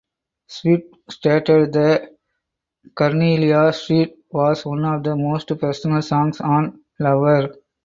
Swift stated that "Cornelia Street" was one of the most personal songs on "Lover".